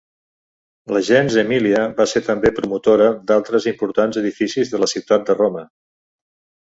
La gens Emília va ser també promotora d'altres importants edificis de la ciutat de Roma.